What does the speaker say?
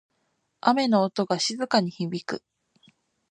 雨の音が静かに響く。